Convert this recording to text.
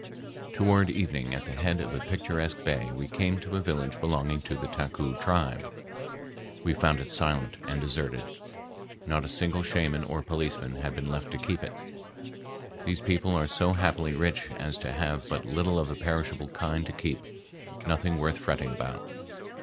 Toward evening at the head of a picturesque bay we came to a village belonging to the Taku tribe. We found it silent and deserted. Not a single shaman or policeman had been left to keep it. These people are so happily rich as to have but little of a perishable kind to keep, nothing worth fretting about.